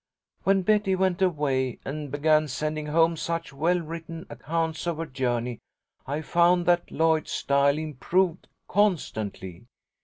When Betty went away and began sending home such well written accounts of her journey, I found that Lloyd's style improved constantly.